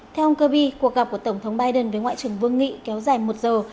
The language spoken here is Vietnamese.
theo ông kirby cuộc gặp của tổng thống biden với ngoại trưởng vương nghị kéo dài một giờ